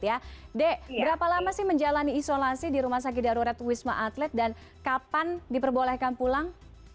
dek berapa lama sih menjalani isolasi di rumah sakit darurat wisma atlet dan kapan diperbolehkan pulang